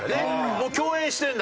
もう共演してるんだから。